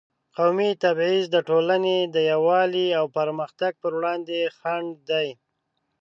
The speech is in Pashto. قومي تبعیض د ټولنې د یووالي او پرمختګ پر وړاندې خنډ دی.